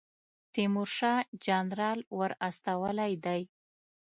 تیمورشاه جنرال ور استولی دی.